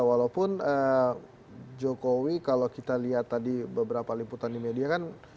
walaupun jokowi kalau kita lihat tadi beberapa liputan di media kan